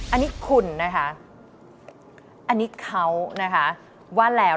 อันนี้คุณนะคะ